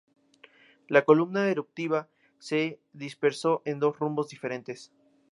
La columna eruptiva se dispersó en dos rumbos diferentes.